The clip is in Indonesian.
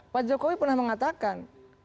pak jokowi pernah mengatakan